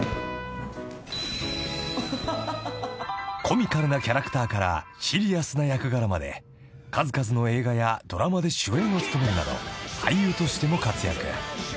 ［コミカルなキャラクターからシリアスな役柄まで数々の映画やドラマで主演を務めるなど俳優としても活躍］